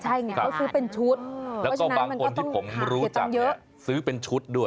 ใช่ไงเขาซื้อเป็นชุด